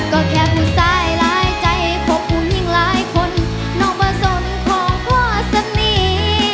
ก็แค่พูดซ้ายหลายใจขอบคุณยิ่งหลายคนน้องบ่สนของพ่อสนี